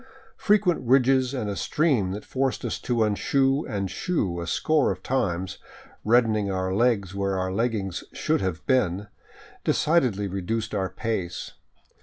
Frequent ridges and a stream that forced us to unshoe and shoe a score of times, reddening our legs where our leggings should have been, decidedly reduced our pace.